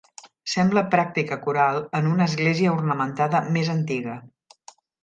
Sembla pràctica coral en una església ornamentada més antiga.